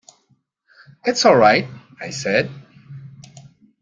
"It's all right," I said.